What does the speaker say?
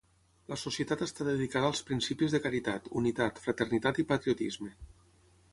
La societat està dedicada als principis de caritat, unitat, fraternitat i patriotisme.